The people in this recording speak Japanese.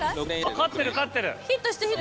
勝ってる勝ってる。